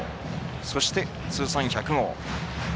そして通算１００号。